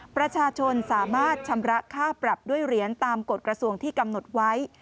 ประชาชนสามารถชำระค่าปรับด้วยเหรียญตามกฎกระทรวงที่กำหนดไว้